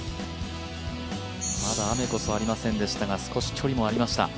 まだ雨こそありませんでしたが少し距離もありました。